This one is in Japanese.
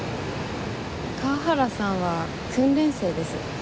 河原さんは訓練生です。